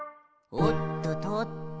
「おっととっと」